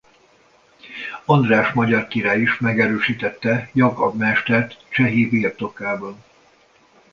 András magyar király is megerősítette Jakab mestert Csehi birtokában.